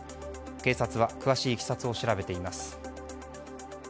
警察は詳しいいきさつを調べています。